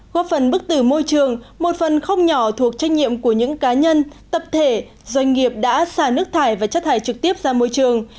góp phần bức tử môi trường một phần không nhỏ thuộc trách nhiệm của những cá nhân tập thể doanh nghiệp đã xả nước thải và chất thải trực tiếp ra môi trường